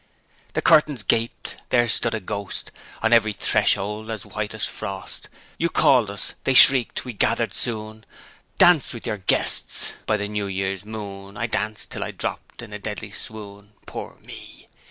The curtains gaped; there stood a ghost, On every threshold, as white as frost, You called us, they shrieked, and we gathered soon; Dance with your guests by the New Year's moon! I danced till I dropped in a deadly swoon Poor me!